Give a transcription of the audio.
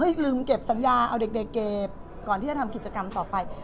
ลืมเก็บสัญญาเอาเด็กเก็บก่อนที่จะทำกิจกรรมต่อไป